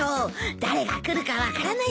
誰が来るか分からないからね。